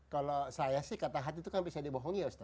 kalau saya sih kata hati itu kan bisa dibohongi ya ustadz